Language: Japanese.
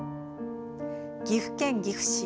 岐阜県岐阜市。